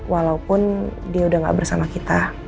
walaupun dia udah gak bersama kita